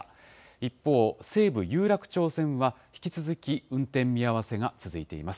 一方、西武有楽町線は、引き続き、運転見合わせが続いています。